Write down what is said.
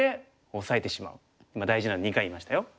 今大事なんで２回言いましたよ。